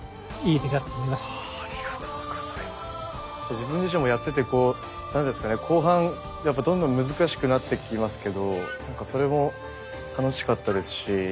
自分自身もやっててこう何ですかね後半やっぱどんどん難しくなってきますけどなんかそれも楽しかったですしやりたいですね。